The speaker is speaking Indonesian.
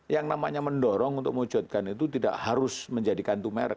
yang namanya mendorong untuk mewujudkan itu tidak harus menjadikan itu merek